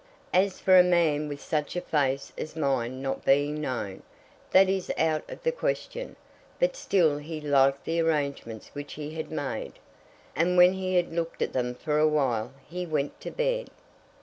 As for a man with such a face as mine not being known, that is out of the question." But still he liked the arrangements which he had made, and when he had looked at them for awhile he went to bed.